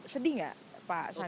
sedih gak pak sandiaga